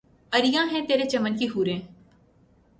عریاں ہیں ترے چمن کی حوریں